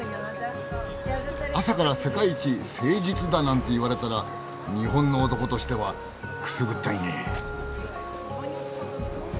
朝から「世界一誠実」だなんて言われたら日本の男としてはくすぐったいねえ。